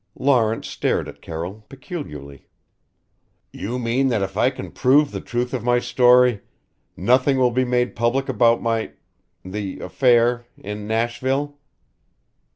Lawrence stared at Carroll peculiarly. "You mean that if I can prove the truth of my story, nothing will be made public about my the affair in Nashville?"